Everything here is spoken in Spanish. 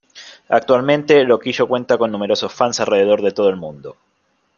Actualmente, Loquillo cuenta con numerosos fans alrededor de todo el mundo.